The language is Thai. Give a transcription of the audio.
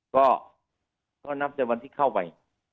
ก็นับแต่วันที่เข้าไป